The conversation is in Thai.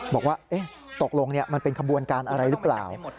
บอกว่าตกลงมันเป็นขบวนการอะไรหรือเปล่า